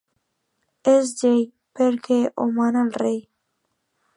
És llei, perquè ho mana el rei.